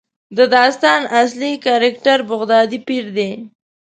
د داستان اصلي کرکټر بغدادي پیر دی.